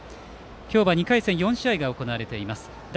今日は２回戦の４試合が行われています。